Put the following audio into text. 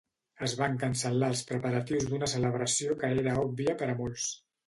Es van cancel·lar els preparatius d'una celebració que era òbvia per a molts.